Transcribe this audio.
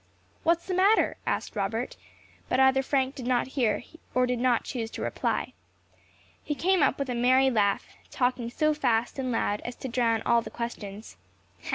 "What is the matter?" asked Robert; but either Frank did not hear, or did not choose to reply. He came up with a merry laugh, talking so fast and loud, as to drown all the questions. "Ha!